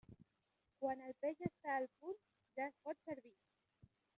Quan el peix està al punt, ja es pot servir.